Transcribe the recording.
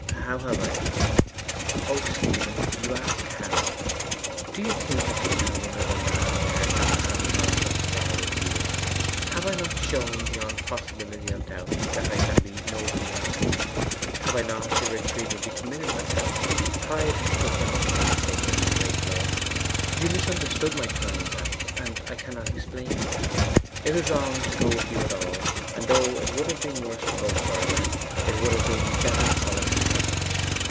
'How have I?' 'O Stephen, you ask how! Do you think I could marry another man on earth after having gone thus far with you? Have I not shown beyond possibility of doubt that I can be nobody else's? Have I not irretrievably committed myself? pride has stood for nothing in the face of my great love. You misunderstood my turning back, and I cannot explain it. It was wrong to go with you at all; and though it would have been worse to go further, it would have been better policy, perhaps.